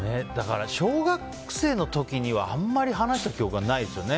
小学生の時にあんまり話した記憶はないですね。